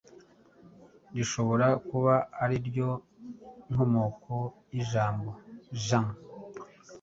rishobora kuba ariryo inkomoko y'ijambo "jeans".